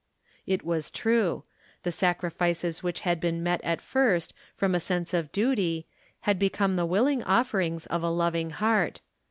It was true. The sacrifices which had been met at first from a sense of duty had become the willing offerings of a loving heart.